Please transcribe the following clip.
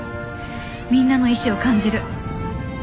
みんなの意志を感じる。